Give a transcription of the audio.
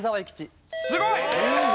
すごい！